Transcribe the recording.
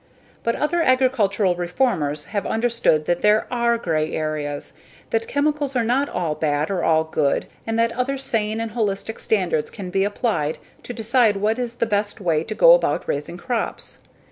But other agricultural reformers have understood that there are gray areas that chemicals are not all bad or all good and that other sane and holistic standards can be applied to decide what is the best way to go about raising crops.